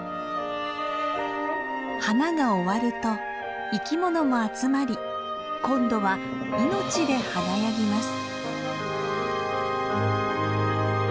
花が終わると生き物も集まり今度は命で華やぎます。